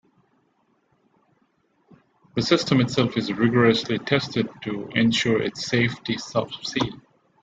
The system itself is rigorously tested to ensure its safety subsea.